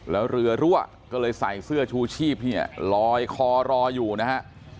แล้วเรือรั่วก็เลยใส่เสื้อชูชีพเนี่ยลอยคอรออยู่นะฮะ